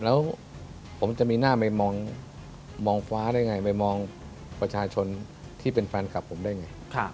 แล้วผมจะมีหน้าไปมองฟ้าได้ไงไปมองประชาชนที่เป็นแฟนคลับผมได้ไง